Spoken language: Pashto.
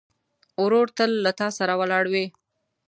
ورور تل له تا سره ولاړ وي.